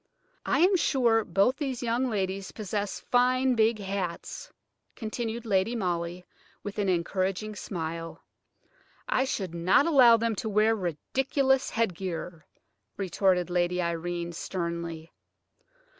"I am sure both these young ladies possess fine big hats," continued Lady Molly with an encouraging smile. "I should not allow them to wear ridiculous headgear," retorted Lady Irene, sternly.